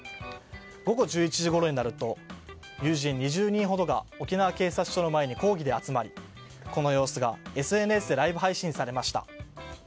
午後１１時ごろになると友人２０人ほどが沖縄警察署の前に抗議で集まりこの様子がＳＮＳでライブ配信されました。